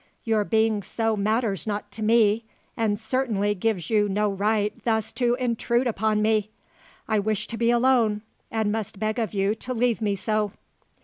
Your being so matters not to me; and certainly gives you no right thus to intrude upon me. I wish to be alone, and must beg of you to leave me so."